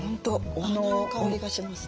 お花の香りがします。